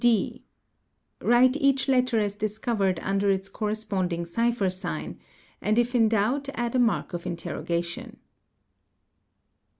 | (d) Write each letter as discovered under its corresponding * ci pher sign and if in doubt add a mark of interrogation.